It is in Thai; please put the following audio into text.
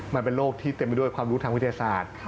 มันเป็นโรคที่เต็มไปด้วยความรู้ทางวิทยาศาสตร์